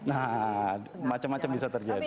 nah macam macam bisa terjadi